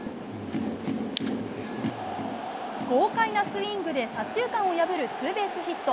豪快なスイングで左中間を破るツーベースヒット。